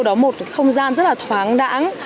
đó là một không gian rất là thoáng đẳng